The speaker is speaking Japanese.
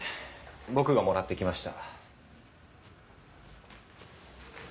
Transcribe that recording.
僕がもらってきました。